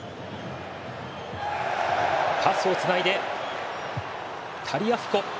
パスをつないで、タリアフィコ！